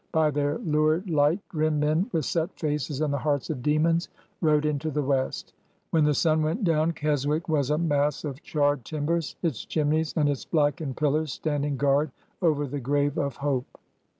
By their lurid light grim men, with set faces and the hearts of demons, rode into the west. When the sun went down, Keswick was a mass of charred timbers, its chimneys and its blackened pillars standing guard over the grave of hope.